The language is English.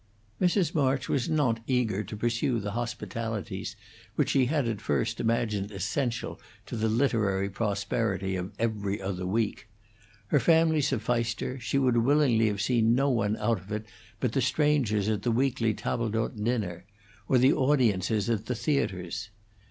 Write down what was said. Mrs. March was not eager to pursue the hospitalities which she had at first imagined essential to the literary prosperity of 'Every Other Week'; her family sufficed her; she would willingly have seen no one out of it but the strangers at the weekly table d'hote dinner, or the audiences at the theatres.